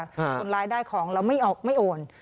คนร้ายได้ของแล้วไม่ออกไม่โอน